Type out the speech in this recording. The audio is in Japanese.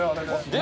で